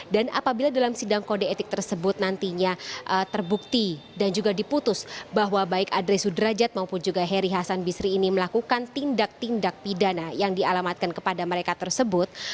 dan apabila dalam sidang kode etik tersebut nantinya terbukti dan juga diputus bahwa baik ade sudrajat maupun juga heri hasan basri ini melakukan tindak tindak pidana yang dialamatkan kepada mereka tersebut